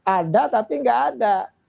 ada tapi nggak ada